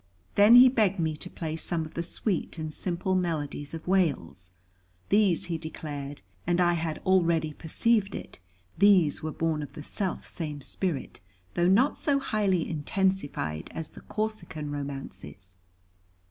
Then he begged me to play some of the sweet and simple melodies of Wales. These he declared, and I had already perceived it, these were born of the self same spirit, though not so highly intensified, as the Corsican romances.